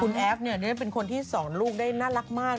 คุณแอฟเป็นคนที่สอนลูกได้น่ารักมาก